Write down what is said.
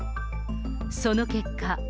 その結果。